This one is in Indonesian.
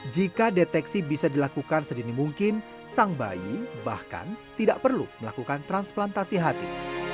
jika deteksi bisa dilakukan sedini mungkin sang bayi bahkan tidak perlu melakukan transplantasi hati